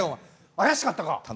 怪しかったか？